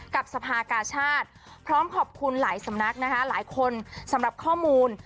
กับสภากาชาติพร้อมขอบคุณหลายสำนักนะคะหลายคนสำหรับข้อมูล